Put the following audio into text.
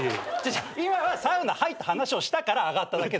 今はサウナ入った話をしたから上がっただけで。